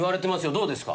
どうですか？